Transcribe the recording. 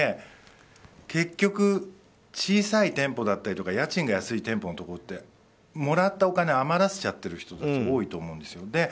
結局、小さい店舗だったりとか家賃が安い店舗のところってもらったお金を余らせちゃってる人たちが多いと思うんですよ。